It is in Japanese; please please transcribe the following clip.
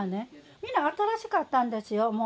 みな新しかったんですよ、もう。